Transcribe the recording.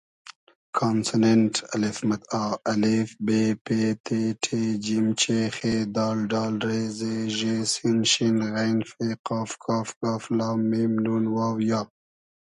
کانسونېنݖ: آ ا ب پ ت ݖ ج چ خ د ۮ ر ز ژ س ش غ ف ق ک گ ل م ن و ی